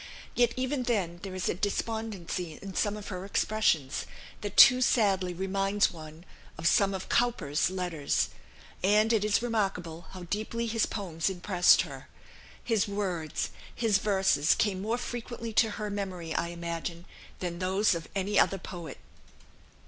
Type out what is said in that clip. Yet even then there is a despondency in some of her expressions, that too sadly reminds one of some of Cowper's letters. And it is remarkable how deeply his poems impressed her. His words, his verses, came more frequently to her memory, I imagine, than those of any other poet.